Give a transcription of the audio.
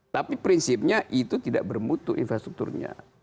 tapi prinsipnya itu tidak bermutu infrastrukturnya